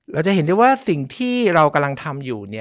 เราจะเห็นได้ว่าสิ่งที่เรากำลังทำอยู่